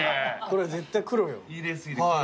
これ絶対黒よ。